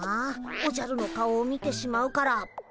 おじゃるの顔を見てしまうから。